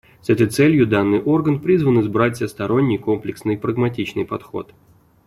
С этой целью данный орган призван избрать всесторонний, комплексный и прагматичный подход.